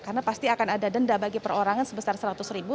karena pasti akan ada denda bagi perorangan sebesar seratus ribu